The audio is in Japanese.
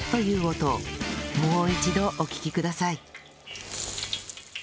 もう一度お聞きください